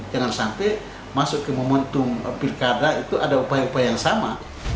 jangan sampai masuk ke momentum pilkada itu ada upaya upaya yang sama